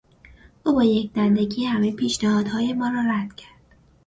او با یکدندگی همهی پیشنهادهای ما را رد کرد.